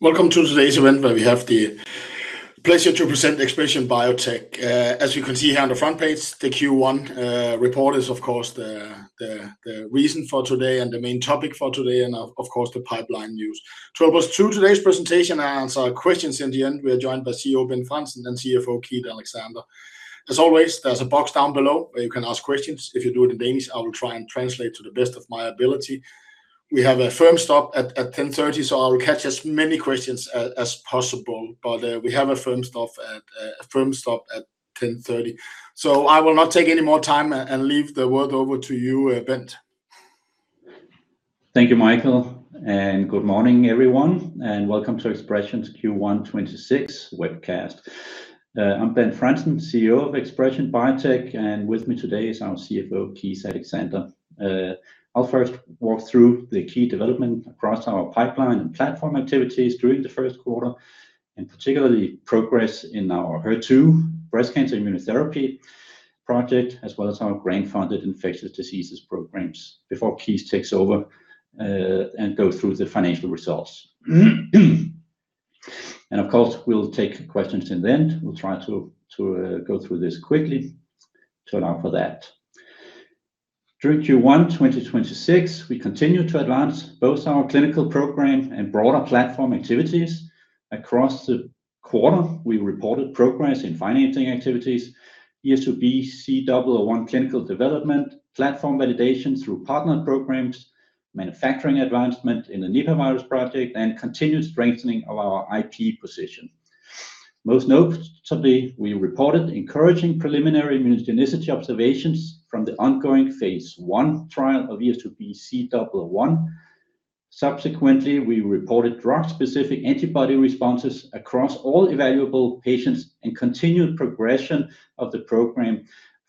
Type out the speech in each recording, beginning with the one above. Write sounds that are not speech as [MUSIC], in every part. Welcome to today's event, where we have the pleasure to present ExpreS2ion Biotech. As you can see here on the front page, the Q1 report is, of course, the reason for today and the main topic for today and, of course, the pipeline news. To help us through today's presentation and answer questions in the end, we are joined by CEO Bent Frandsen and CFO Keith Alexander. As always, there's a box down below where you can ask questions. If you do it in Danish, I will try and translate to the best of my ability. We have a firm stop at 10:30 AM. I will catch as many questions as possible. We have a firm stop at 10:30 AM. I will not take any more time and leave the word over to you, Bent. Thank you, Michael, good morning, everyone, and welcome to ExpreS2ion's Q1 2026 webcast. I'm Bent Frandsen, CEO of ExpreS2ion Biotech, and with me today is our CFO, Keith Alexander. I'll first walk through the key development across our pipeline and platform activities during the first quarter, particularly progress in our HER2 breast cancer immunotherapy project, as well as our grant-funded infectious diseases programs, before Keith takes over and go through the financial results. Of course, we'll take questions in the end. We'll try to go through this quickly to allow for that. During Q1 2026, we continued to advance both our clinical program and broader platform activities. Across the quarter, we reported progress in financing activities, ES2B-C001 clinical development, platform validation through partnered programs, manufacturing advancement in the Nipah virus project, and continued strengthening of our IP position. Most notably, we reported encouraging preliminary immunogenicity observations from the ongoing phase I trial of ES2B-C001. We reported drug-specific antibody responses across all evaluable patients and continued progression of the program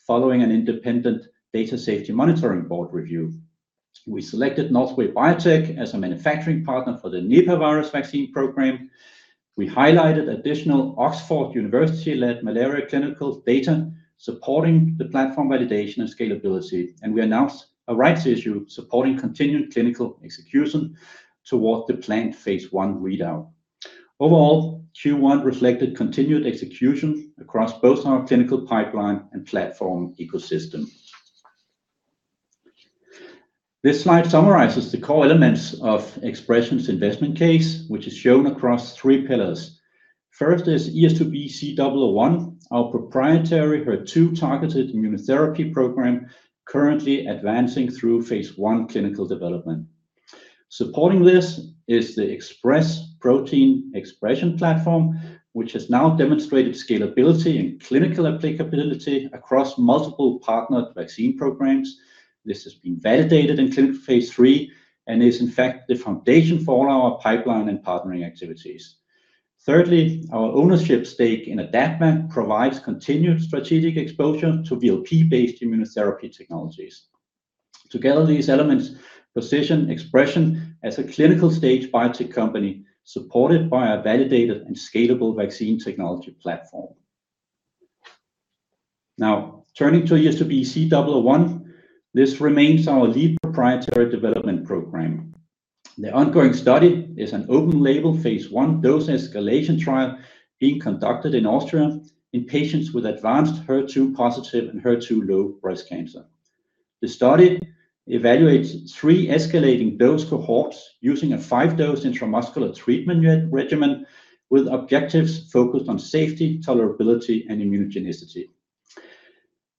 following an independent Data Safety Monitoring Board review. We selected Northway Biotech as a manufacturing partner for the Nipah virus vaccine program. We highlighted additional University of Oxford-led malaria clinical data supporting the platform validation and scalability. We announced a rights issue supporting continued clinical execution towards the planned phase I readout. Q1 reflected continued execution across both our clinical pipeline and platform ecosystem. This slide summarizes the core elements of ExpreS2ion's investment case, which is shown across three pillars. First is ES2B-C001, our proprietary HER2-targeted immunotherapy program currently advancing through phase I clinical development. Supporting this is the ExpreS2 protein expression platform, which has now demonstrated scalability and clinical applicability across multiple partnered vaccine programs. This has been validated in clinical phase III and is, in fact, the foundation for all our pipeline and partnering activities. Thirdly, our ownership stake in AdaptVac provides continued strategic exposure to VLP-based immunotherapy technologies. Together, these elements position ExpreS2ion as a clinical-stage biotech company supported by a validated and scalable vaccine technology platform. Now, turning to ES2B-C001, this remains our lead proprietary development program. The ongoing study is an open-label phase I dose-escalation trial being conducted in Austria in patients with advanced HER2-positive and HER2-low breast cancer. The study evaluates three escalating dose cohorts using a five-dose intramuscular treatment regimen with objectives focused on safety, tolerability, and immunogenicity.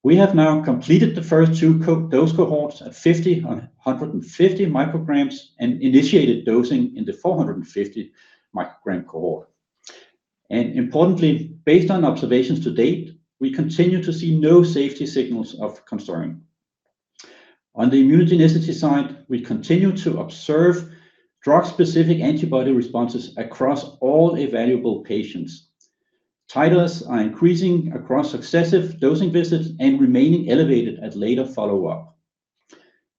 We have now completed the first two dose cohorts at 50 and 150 micrograms and initiated dosing in the 450 microgram cohort. Importantly, based on observations to date, we continue to see no safety signals of concern. On the immunogenicity side, we continue to observe drug-specific antibody responses across all evaluable patients. Titers are increasing across successive dosing visits and remaining elevated at later follow-up.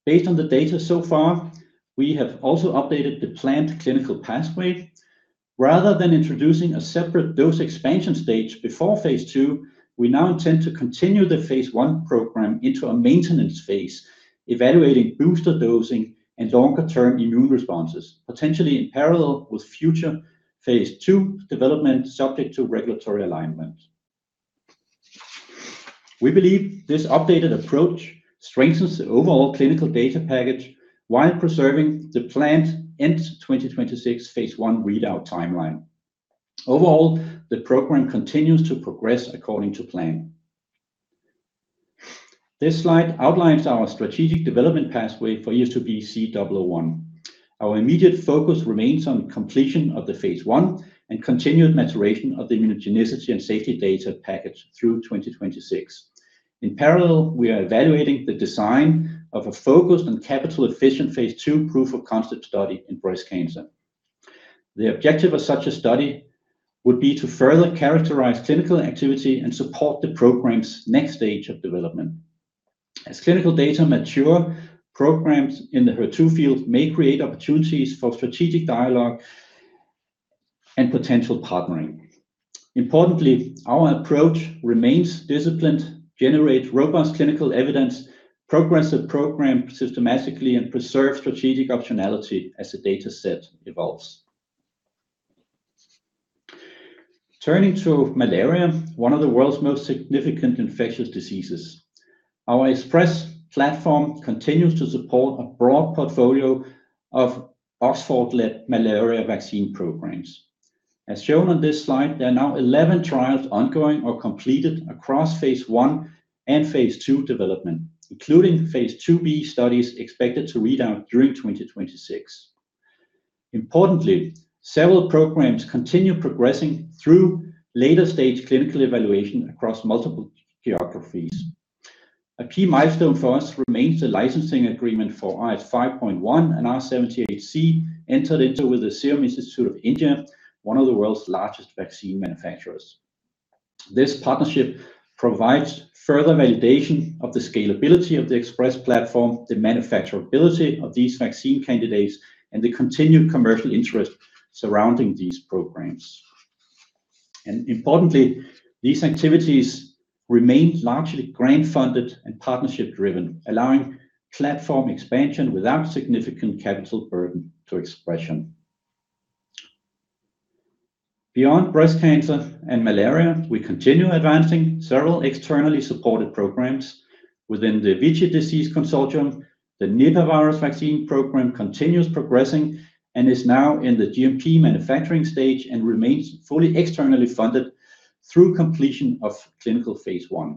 Based on the data so far, we have also updated the planned clinical pathway. Rather than introducing a separate dose expansion stage before phase II, we now intend to continue the phase I program into a maintenance phase, evaluating booster dosing and longer-term immune responses, potentially in parallel with future phase II development subject to regulatory alignment. We believe this updated approach strengthens the overall clinical data package while preserving the planned end-2026 phase I readout timeline. Overall, the program continues to progress according to plan. This slide outlines our strategic development pathway for ES2B-C001. Our immediate focus remains on completion of the phase I and continued maturation of the immunogenicity and safety data package through 2026. In parallel, we are evaluating the design of a focused and capital-efficient phase II proof-of-concept study in breast cancer. The objective of such a study would be to further characterize clinical activity and support the program's next stage of development. As clinical data mature, programs in the HER2 field may create opportunities for strategic dialogue and potential partnering. Importantly, our approach remains disciplined, generate robust clinical evidence, progressive program systematically, and preserve strategic optionality as the data set evolves. Turning to malaria, one of the world's most significant infectious diseases. Our ExpreS2 platform continues to support a broad portfolio of Oxford-led malaria vaccine programs. As shown on this slide, there are now 11 trials ongoing or completed across phase I and phase II development, including phase IIB studies expected to read out during 2026. Importantly, several programs continue progressing through later stage clinical evaluation across multiple geographies. A key milestone for us remains the licensing agreement for RH5.1 and R78C, entered into with the Serum Institute of India, one of the world's largest vaccine manufacturers. This partnership provides further validation of the scalability of the ExpreS2 platform, the manufacturability of these vaccine candidates, and the continued commercial interest surrounding these programs. Importantly, these activities remain largely grant-funded and partnership-driven, allowing platform expansion without significant capital burden to ExpreS2ion. Beyond breast cancer and malaria, we continue advancing several externally supported programs within the VICI-Disease Consortium. The Nipah virus vaccine program continues progressing and is now in the GMP manufacturing stage, and remains fully externally funded through completion of clinical phase I.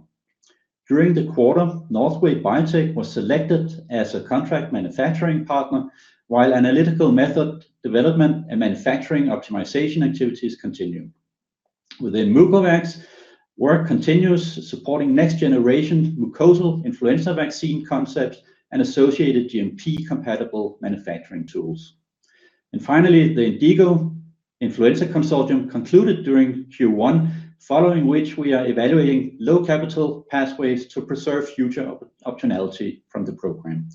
During the quarter, Northway Biotech was selected as a contract manufacturing partner, while analytical method development and manufacturing optimization activities continue. Within MucoVax, work continues supporting next generation mucosal influenza vaccine concepts and associated GMP compatible manufacturing tools. Finally, the INDIGO Influenza Consortium concluded during Q1, following which we are evaluating low capital pathways to preserve future optionality from the program.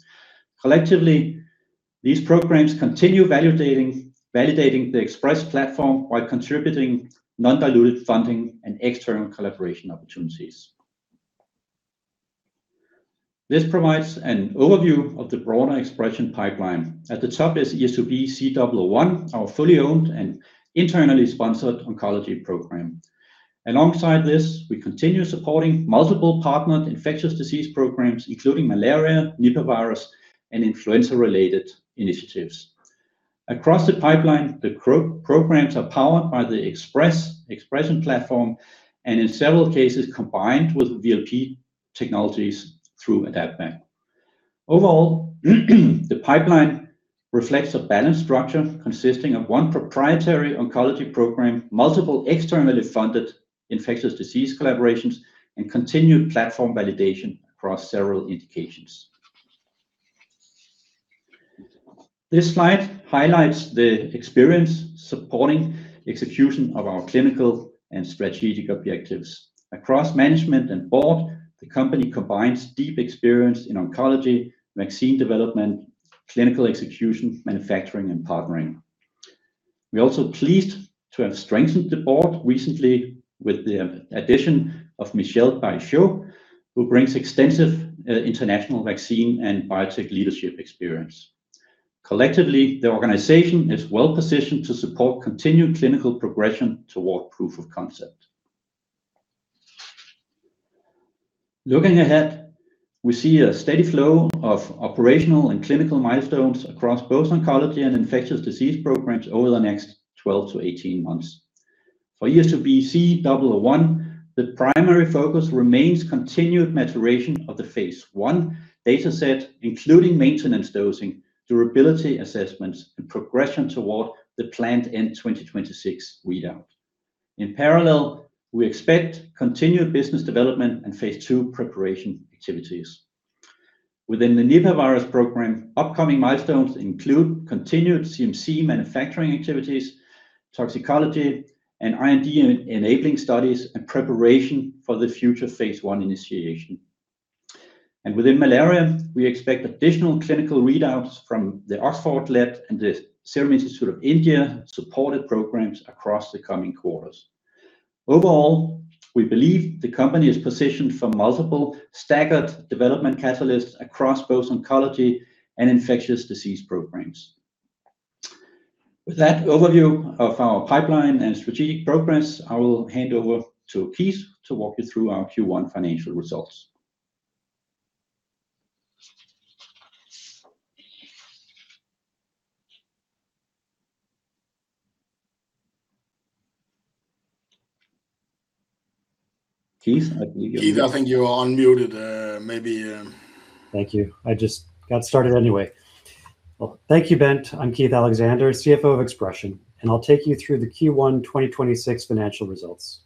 Collectively, these programs continue validating the ExpreS2 platform while contributing non-diluted funding and external collaboration opportunities. This provides an overview of the broader ExpreS2ion pipeline. At the top is ES2B-C001, our fully owned and internally sponsored oncology program. Alongside this, we continue supporting multiple partnered infectious disease programs, including malaria, Nipah virus, and influenza-related initiatives. Across the pipeline, the programs are powered by the ExpreS2ion platform, and in several cases, combined with VLP technologies through AdaptVac. Overall, the pipeline reflects a balanced structure consisting of one proprietary oncology program, multiple externally funded infectious disease collaborations, and continued platform validation across several indications. This slide highlights the experience supporting execution of our clinical and strategic objectives. Across management and board, the company combines deep experience in oncology, vaccine development, clinical execution, manufacturing and partnering. We are also pleased to have strengthened the board recently with the addition of Michel Baijot, who brings extensive international vaccine and biotech leadership experience. Collectively, the organization is well-positioned to support continued clinical progression toward proof of concept. Looking ahead, we see a steady flow of operational and clinical milestones across both oncology and infectious disease programs over the next 12-18 months. For ES2B-C001, the primary focus remains continued maturation of the phase I data set, including maintenance dosing, durability assessments, and progression toward the planned end 2026 readout. In parallel, we expect continued business development and phase II preparation activities. Within the Nipah virus program, upcoming milestones include continued CMC manufacturing activities, toxicology and R&D enabling studies, and preparation for the future phase I initiation. Within malaria, we expect additional clinical readouts from the Oxford-led and the Serum Institute of India supported programs across the coming quarters. Overall, we believe the company is positioned for multiple staggered development catalysts across both oncology and infectious disease programs. With that overview of our pipeline and strategic progress, I will hand over to Keith to walk you through our Q1 financial results. Keith... [CROSSTALK] Keith, I think you are unmuted. Maybe. Thank you. I just got started anyway. Well, thank you, Bent. I'm Keith Alexander, CFO of ExpreS2ion, and I'll take you through the Q1 2026 financial results.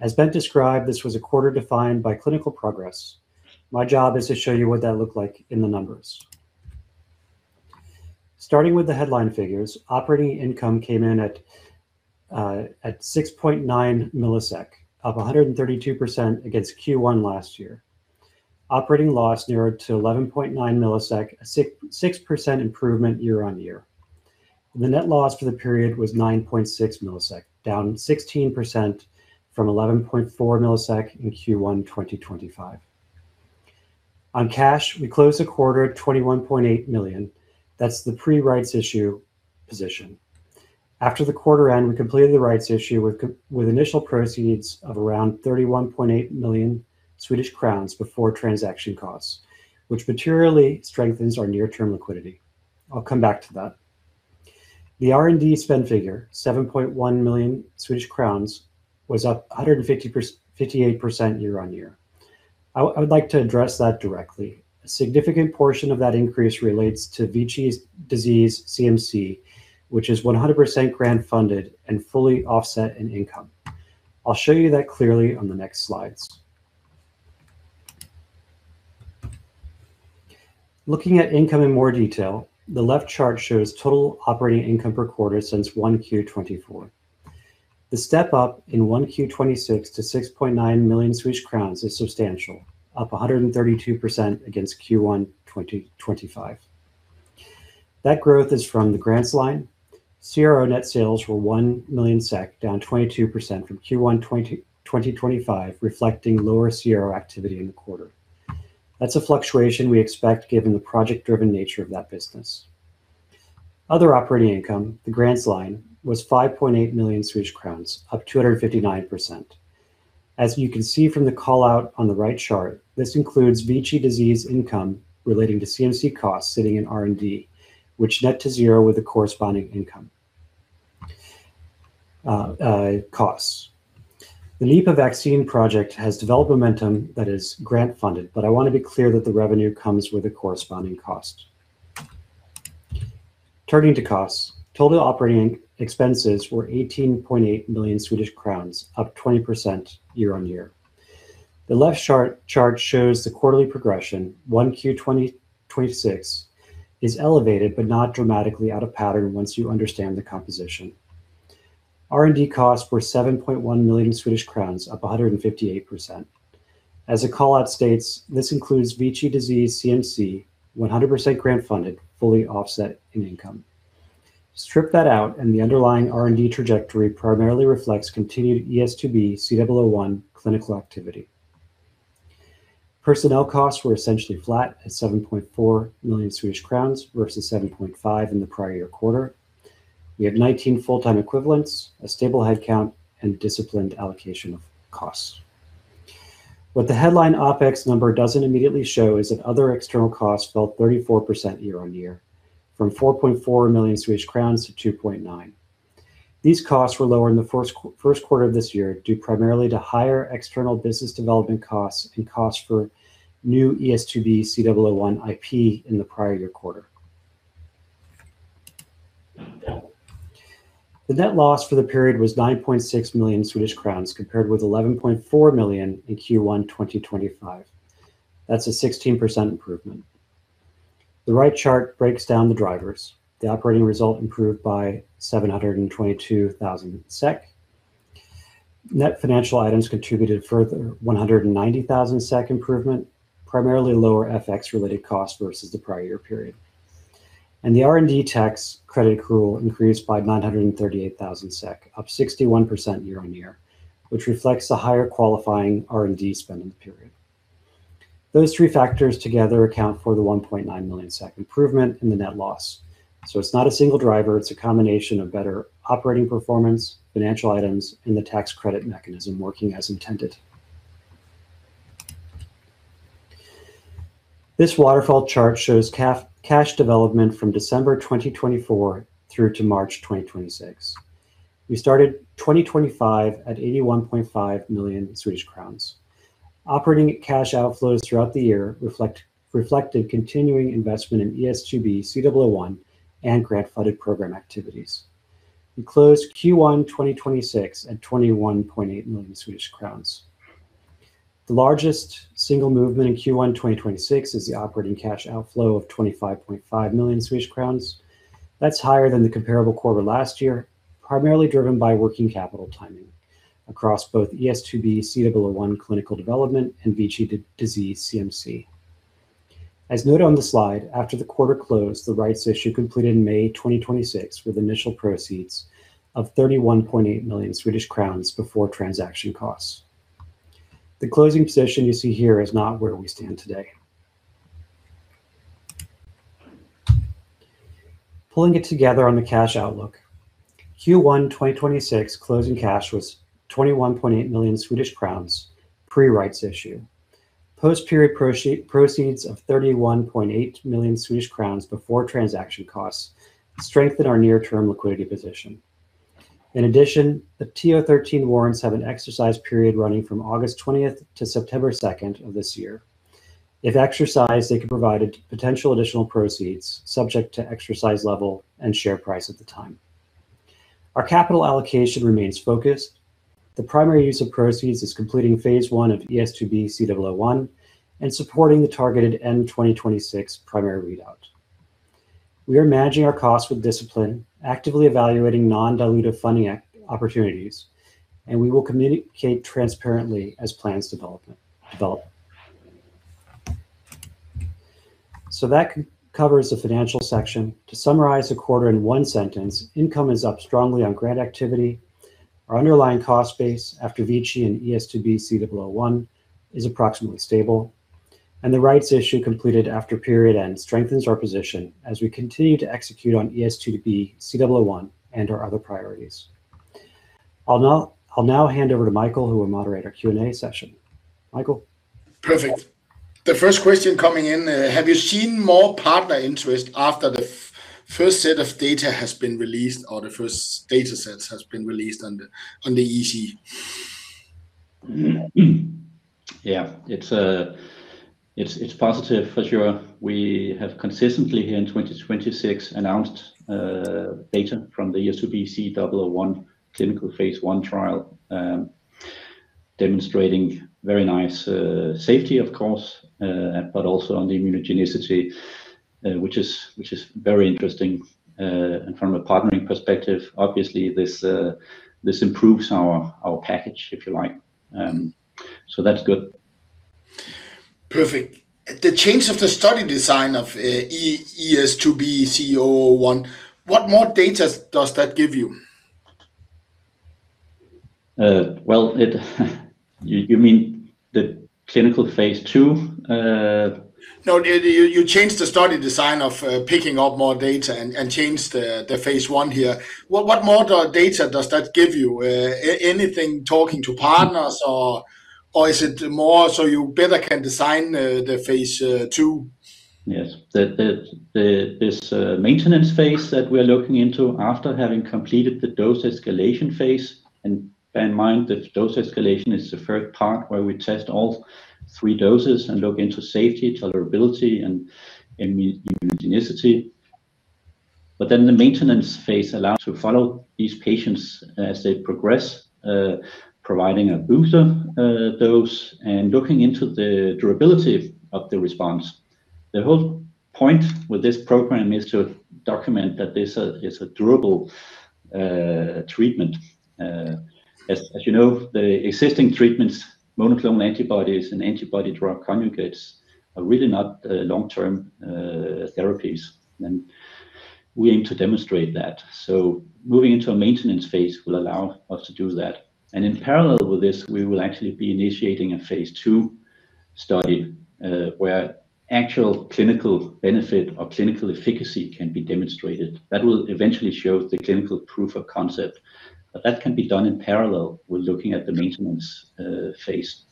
As Bent described, this was a quarter defined by clinical progress. My job is to show you what that looked like in the numbers. Starting with the headline figures, operating income came in at 6.9 million, up 132% against Q1 last year. Operating loss narrowed to 11.9 million, a 6% improvement year on year. The net loss for the period was 9.6 million, down 16% from 11.4 million in Q1 2025. On cash, we closed the quarter at 21.8 million. That's the pre-rights issue position. After the quarter end, we completed the rights issue with initial proceeds of around 31.8 million Swedish crowns before transaction costs, which materially strengthens our near-term liquidity. I'll come back to that. The R&D spend figure, 7.1 million Swedish crowns, was up 158% year-on-year. I would like to address that directly. A significant portion of that increase relates to VICI-Disease CMC, which is 100% grant-funded and fully offset in income. I'll show you that clearly on the next slides. Looking at income in more detail, the left chart shows total operating income per quarter since Q1 2024. The step-up in Q1 2026 to 6.9 million Swedish crowns is substantial, up 132% against Q1 2025. That growth is from the grants line. CRO net sales were 1 million SEK, down 22% from Q1 2025, reflecting lower CRO activity in the quarter. That's a fluctuation we expect given the project-driven nature of that business. Other operating income, the grants line, was 5.8 million Swedish crowns, up 259%. As you can see from the call-out on the right chart, this includes VICI-Disease income relating to CMC costs sitting in R&D, which net to zero with the corresponding income costs. The Nipah vaccine project has developed momentum that is grant-funded, I want to be clear that the revenue comes with a corresponding cost. Turning to costs, total operating expenses were 18.8 million Swedish crowns, up 20% year-on-year. The left chart shows the quarterly progression. 1Q26 is elevated, not dramatically out of pattern once you understand the composition. R&D costs were 7.1 million Swedish crowns, up 158%. As the call-out states, this includes VICI-Disease CMC, 100% grant-funded, fully offset in income. Strip that out, the underlying R&D trajectory primarily reflects continued ES2B-C001 clinical activity. Personnel costs were essentially flat at 7.4 million Swedish crowns versus 7.5 million in the prior-year quarter. We have 19 full-time equivalents, a stable headcount, and disciplined allocation of costs. What the headline OpEx number doesn't immediately show is that other external costs fell 34% year-on-year, from 4.4 million Swedish crowns to 2.9 million. These costs were lower in the first quarter of this year, due primarily to higher external business development costs and costs for new ES2B-C001 IP in the prior year quarter. The net loss for the period was 9.6 million Swedish crowns, compared with 11.4 million in Q1 2025. That's a 16% improvement. The right chart breaks down the drivers. The operating result improved by 722,000 SEK. Net financial items contributed further 190,000 SEK improvement, primarily lower FX-related costs versus the prior year period. The R&D tax credit accrual increased by 938,000 SEK, up 61% year-on-year, which reflects the higher qualifying R&D spend in the period. Those three factors together account for the 1.9 million SEK improvement in the net loss. It's not a single driver, it's a combination of better operating performance, financial items, and the tax credit mechanism working as intended. This waterfall chart shows cash development from December 2024 through to March 2026. We started 2025 at 81.5 million Swedish crowns. Operating cash outflows throughout the year reflected continuing investment in ES2B-C001 and grant-funded program activities. We closed Q1 2026 at 21.8 million Swedish crowns. The largest single movement in Q1 2026 is the operating cash outflow of 25.5 million Swedish crowns. That's higher than the comparable quarter last year, primarily driven by working capital timing across both ES2B-C001 clinical development and VICI-Disease CMC. As noted on the slide, after the quarter closed, the rights issue completed in May 2026 with initial proceeds of 31.8 million Swedish crowns before transaction costs. The closing position you see here is not where we stand today. Pulling it together on the cash outlook, Q1 2026 closing cash was 21.8 million Swedish crowns pre-rights issue. Post-period proceeds of 31.8 million Swedish crowns before transaction costs strengthen our near-term liquidity position. In addition, the TO 13 warrants have an exercise period running from August 20th to September 2nd of this year. If exercised, they could provide potential additional proceeds subject to exercise level and share price at the time. Our capital allocation remains focused. The primary use of proceeds is completing phase I of ES2B-C001 and supporting the targeted end 2026 primary readout. We are managing our costs with discipline, actively evaluating non-dilutive funding opportunities, and we will communicate transparently as plans develop. That covers the financial section. To summarize the quarter in one sentence, income is up strongly on grant activity. Our underlying cost base after Vici and ES2B-C001 is approximately stable, and the rights issue completed after period end strengthens our position as we continue to execute on ES2B-C001 and our other priorities. I will now hand over to Michael, who will moderate our Q&A session. Michael? Perfect. The first question coming in, have you seen more partner interest after the first set of data has been released, or the first data sets has been released on the VICI? Yeah. It's positive for sure. We have consistently, here in 2026, announced data from the ES2B-C001 clinical phase I trial, demonstrating very nice safety, of course, but also on the immunogenicity, which is very interesting, and from a partnering perspective, obviously, this improves our package, if you like. That's good. Perfect. The change of the study design of ES2B-C001, what more data does that give you? Well, you mean the clinical phase II? You changed the study design of picking up more data and changed the phase I here. What more data does that give you? Anything talking to partners, or is it more so you better can design the phase II? Yes. This maintenance phase that we are looking into after having completed the dose escalation phase. Bear in mind that dose escalation is the first part where we test all three doses and look into safety, tolerability, and immunogenicity. The maintenance phase allows to follow these patients as they progress, providing a booster dose and looking into the durability of the response. The whole point with this program is to document that this is a durable treatment. As you know, the existing treatments, monoclonal antibodies and antibody-drug conjugates, are really not long-term therapies. We aim to demonstrate that. Moving into a maintenance phase will allow us to do that. In parallel with this, we will actually be initiating a phase II study, where actual clinical benefit or clinical efficacy can be demonstrated. That will eventually show the clinical proof of concept. That can be done in parallel with looking at the maintenance phase.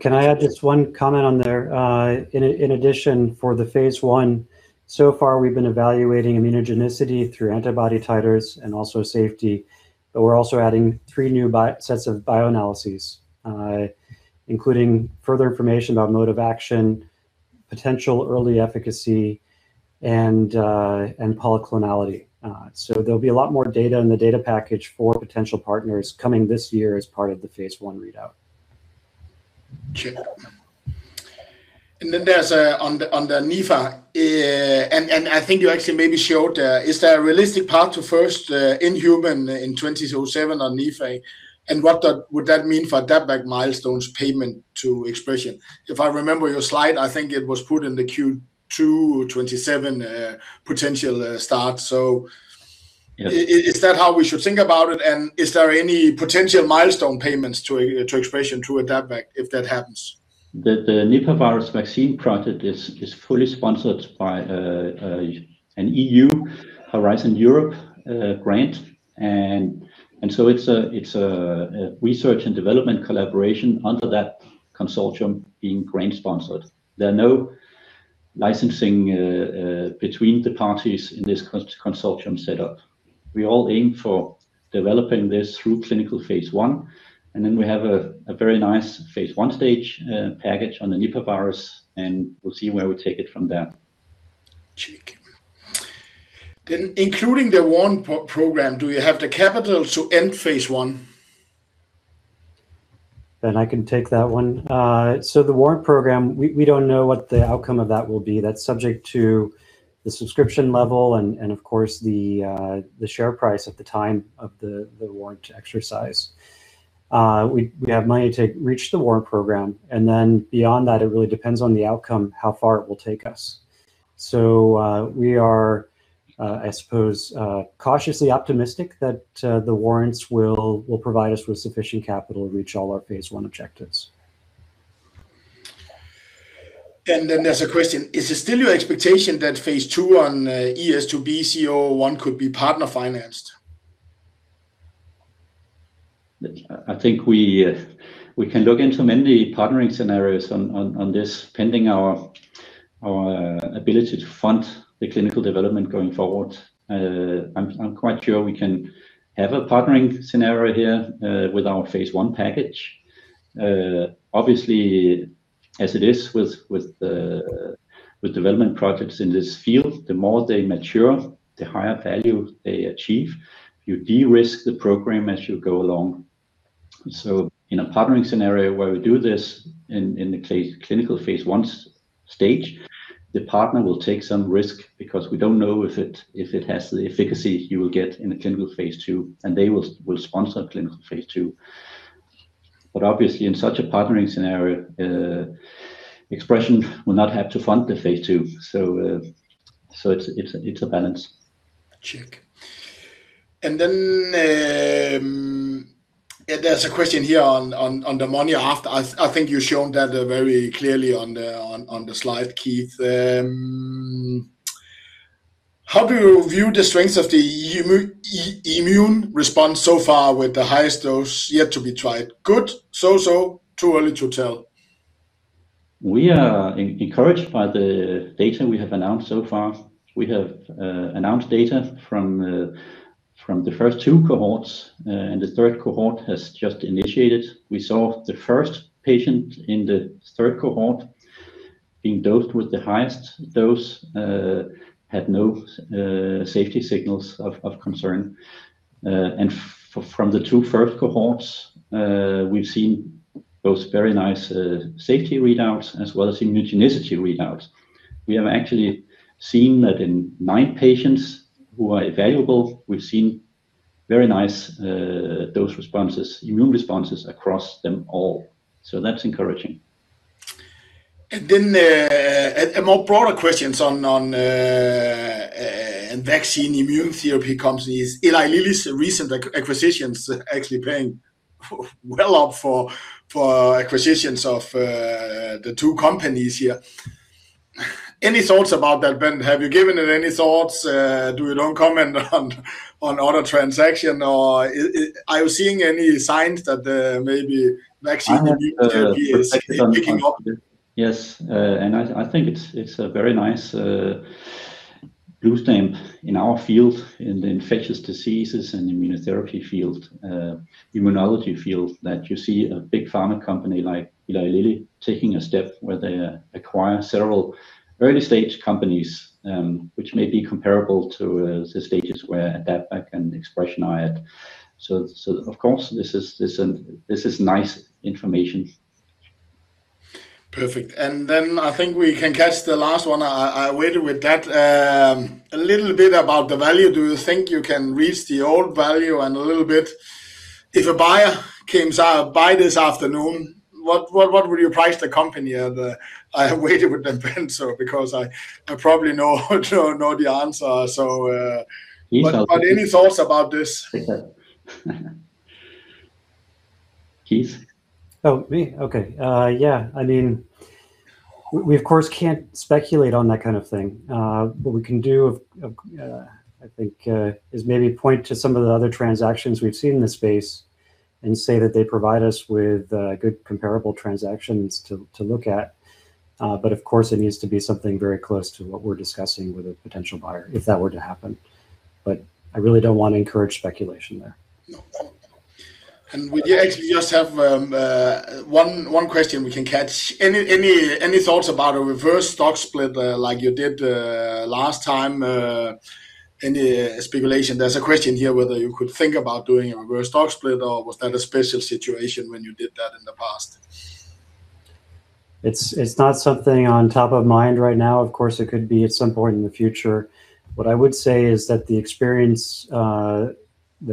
Can I add just one comment on there? In addition, for the phase I, so far, we've been evaluating immunogenicity through antibody titers and also safety, but we're also adding three new sets of bioanalyses, including further information about mode of action, potential early efficacy, and polyclonal. There'll be a lot more data in the data package for potential partners coming this year as part of the phase I readout. Check. On the Nipah, I think you actually maybe showed, is there a realistic path to first in human in 2027 on Nipah? What would that mean for AdaptVac milestones payment to ExpreS2ion? If I remember your slide, I think it was put in the Q2 2027 potential start. Yes. Is that how we should think about it, and is there any potential milestone payments to ExpreS2ion through AdaptVac if that happens? The Nipah virus vaccine project is fully sponsored by an EU Horizon Europe grant. It's a research and development collaboration under that consortium being grant-sponsored. There are no licensing between the parties in this consortium set up. We all aim for developing this through clinical phase I, and then we have a very nice phase I stage package on the Nipah virus, and we'll see where we take it from there. Check. Including the warrant program, do we have the capital to end phase I? I can take that one. The warrant program, we don't know what the outcome of that will be. That's subject to the subscription level and, of course, the share price at the time of the warrant exercise. We have money to reach the warrant program. Beyond that, it really depends on the outcome, how far it will take us. We are, I suppose, cautiously optimistic that the warrants will provide us with sufficient capital to reach all our phase I objectives. There's a question. Is it still your expectation that phase II on ES2B-C001 could be partner financed? I think we can look into many partnering scenarios on this, pending our ability to fund the clinical development going forward. I'm quite sure we can have a partnering scenario here with our phase I package. Obviously, as it is with development projects in this field, the more they mature, the higher value they achieve. You de-risk the program as you go along. In a partnering scenario where we do this in the clinical phase I stage, the partner will take some risk because we don't know if it has the efficacy you will get in a clinical phase II, and they will sponsor clinical phase II. Obviously in such a partnering scenario, ExpreS2ion will not have to fund the phase II. It's a balance. Check. There's a question here on the money. I think you've shown that very clearly on the slide, Keith. How do you view the strengths of the immune response so far with the highest dose yet to be tried? Good, so-so, too early to tell? We are encouraged by the data we have announced so far. We have announced data from the first two cohorts, and the third cohort has just initiated. We saw the first patient in the third cohort being dosed with the highest dose, had no safety signals of concern. From the two first cohorts, we've seen both very nice safety readouts as well as immunogenicity readouts. We have actually seen that in nine patients who are evaluable, we've seen very nice dose responses, immune responses across them all. That's encouraging. A more broader question on vaccine immune therapy companies. Eli Lilly's recent acquisitions actually paying well off for acquisitions of the two companies here. Any thoughts about that, Bent? Have you given it any thoughts? Do you don't comment on other transaction or are you seeing any signs that maybe [CROSSTALK] I have a... [INAUDIBLE] --is picking up? Yes. I think it's a very nice boost in our field, in the infectious diseases and immunotherapy field, immunology field, that you see a big pharma company like Eli Lilly taking a step where they acquire several early-stage companies, which may be comparable to the stages where AdaptVac and ExpreS2ion are at. Of course, this is nice information. Perfect. I think we can catch the last one. I waited with that. A little bit about the value. Do you think you can reach the old value and a little bit? If a buyer comes by this afternoon, what would you price the company at? I waited with that, Bent, because I probably know the answer. You know. Any thoughts about this? Keith? Oh, me, okay. Yeah. We of course can't speculate on that kind of thing. What we can do, I think, is maybe point to some of the other transactions we've seen in this space and say that they provide us with good comparable transactions to look at. Of course, it needs to be something very close to what we're discussing with a potential buyer if that were to happen. I really don't want to encourage speculation there. No. We actually just have one question we can catch. Any thoughts about a reverse stock split like you did last time? Any speculation? There's a question here whether you could think about doing a reverse stock split, or was that a special situation when you did that in the past? It's not something on top of mind right now. Of course, it could be at some point in the future. What I would say is that the experience that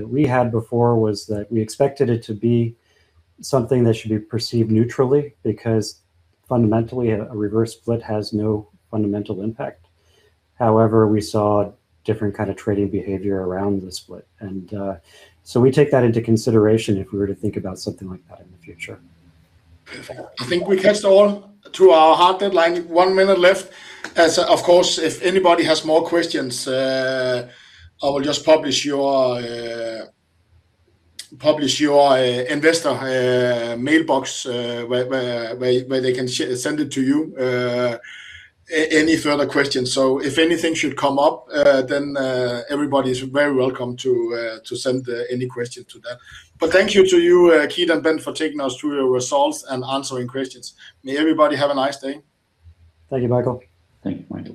we had before was that we expected it to be something that should be perceived neutrally, because fundamentally, a reverse split has no fundamental impact. However, we saw different kind of trading behavior around the split, and so we take that into consideration if we were to think about something like that in the future. Perfect. I think we catched all through our hard deadline. One minute left. As of course, if anybody has more questions, I will just publish your investor mailbox where they can send it to you, any further questions. If anything should come up, then everybody's very welcome to send any question to that. Thank you to you, Keith and Bent, for taking us through your results and answering questions. May everybody have a nice day. Thank you, Michael. Thank you, Michael.